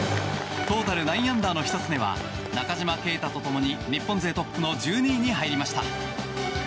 トータル９アンダーの久常は中島啓太とともに日本勢トップの１２位に入りました。